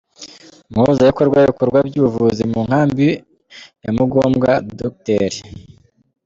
Umuhuzabikorwa w’ibikorwa by’ubuvuzi mu nkambi ya Mugombwa, Dr.